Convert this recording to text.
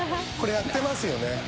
これやってますよね。